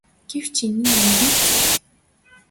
Гэвч энэ нь энгийн л зүйл.